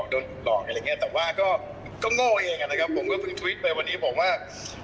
โดนหลอกแล้วก็โง่เองอะผมก็พึ่งทวิตไปวันนี้ผมว่า